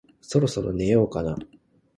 そろそろ寝ようかな